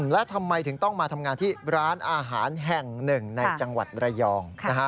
และทำไมถึงต้องมาทำงานที่ร้านอาหารแห่งหนึ่งในจังหวัดระยอง